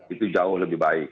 itu jauh lebih baik